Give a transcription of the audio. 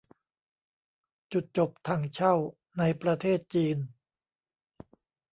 จุดจบ ถั่งเช่า ในประเทศจีน